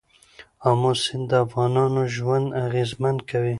آمو سیند د افغانانو ژوند اغېزمن کوي.